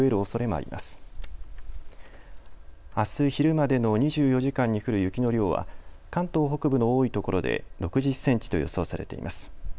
あす昼までの２４時間に降る雪の量は関東北部の多いところで６０センチと予想されています。